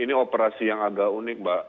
ini operasi yang agak unik mbak